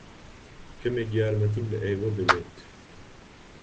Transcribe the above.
کەمێک یارمەتیم لە ئێوە دەوێت.